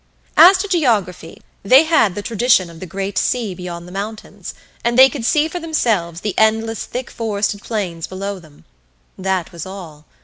As to geography, they had the tradition of the Great Sea, beyond the mountains; and they could see for themselves the endless thick forested plains below them that was all.